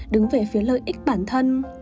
đứng về phía lợi ích bản thân